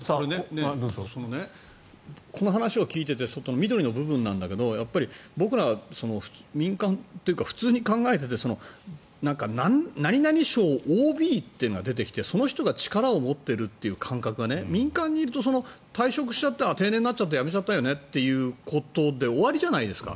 この話を聞いていてその緑の部分なんだけど僕ら、民間というか普通に考えて何々省ＯＢというのが出てきてその人が力を持っているっていう感覚が民間にいると退職しちゃったら定年になっちゃって辞めちゃったよねということで終わりじゃないですか。